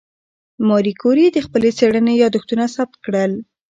ماري کوري د خپلې څېړنې یادښتونه ثبت کړل.